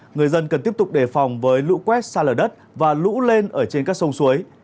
người dân cần tiếp tục đề phòng với lũ quét xa lở đất và lũ lên ở trên các sông suối